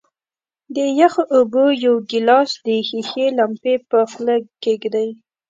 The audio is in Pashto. د یخو اوبو یو ګیلاس د ښيښې لمپې په خولې کیږدئ.